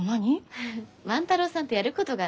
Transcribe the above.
フフッ万太郎さんとやることがあって。